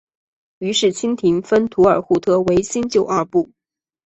于是清廷分土尔扈特为新旧二部。